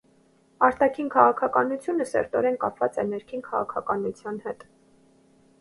Արտաքին քաղաքականությունը սերտորեն կապված է ներքին քաղաքականության հետ։